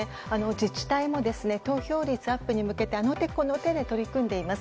自治体も投票率アップに向けあの手この手で取り組んでいます。